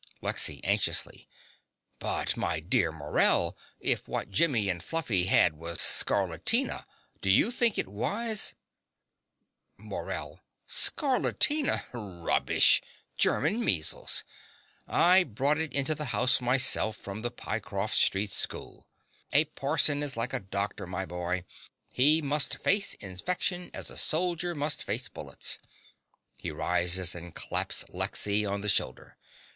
LEXY (anxiously). But, my dear Morell, if what Jimmy and Fluffy had was scarlatina, do you think it wise MORELL. Scarlatina! rubbish, German measles. I brought it into the house myself from the Pycroft Street School. A parson is like a doctor, my boy: he must face infection as a soldier must face bullets. (He rises and claps Lexy on the shoulder.)